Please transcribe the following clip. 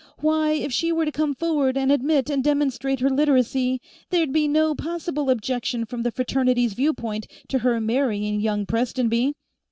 Why, if she were to come forward and admit and demonstrate her Literacy, there'd be no possible objection from the Fraternities' viewpoint to her marrying young Prestonby."